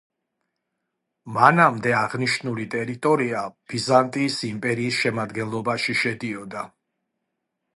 მანამდე აღნიშნული ტერიტორია ბიზანტიის იმპერიის შემადგენლობაში შედიოდა.